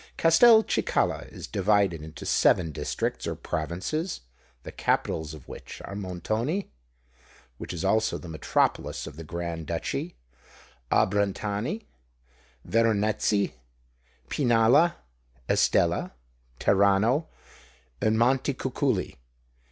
Castelcicala is divided into seven districts, or provinces, the capitals of which are Montoni (which is also the metropolis of the Grand Duchy), Abrantani, Veronezzi, Pinalla, Estella, Terano, and Montecuculi.